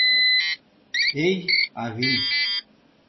Эй, авий!..